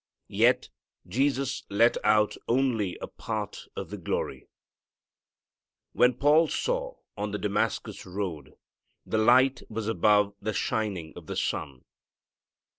Yet Jesus let out only a part of the glory. When Paul saw, on the Damascus road, the light was above the shining of the sun.